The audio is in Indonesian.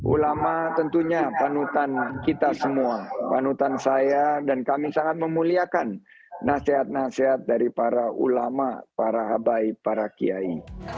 ulama tentunya panutan kita semua panutan saya dan kami sangat memuliakan nasihat nasihat dari para ulama para habaib para kiai